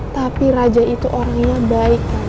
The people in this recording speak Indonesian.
tapi raja itu orangnya baik